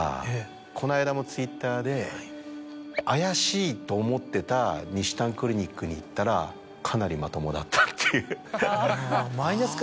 この間もＴｗｉｔｔｅｒで「怪しいと思ってたにしたんクリニックに行ったらかなりまともだった」っていう。